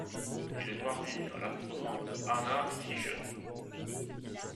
Il est marié à l’astronaute Anna Fisher.